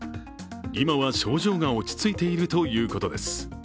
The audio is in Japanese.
今は症状が落ち着いているということです。